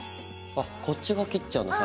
こっち側切っちゃうの？